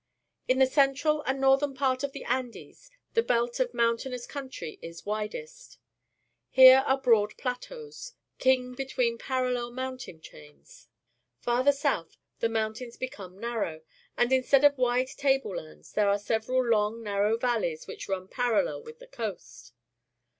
In the central and northern part of the Ajides the belt of mountainous country is widest. Here are broad plateaus, King be tween parallel mountain chains. Farther south the mountains become narrow, and instead of wide table lands there are several long, narrow valleys which run parallel with the coast.